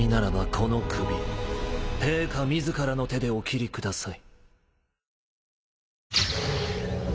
この首陛下自らの手でお斬りください。